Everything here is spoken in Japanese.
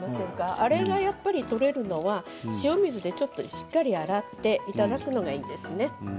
それが、やっぱり取れるのは塩水でしっかり洗っていただくのがいいんですね。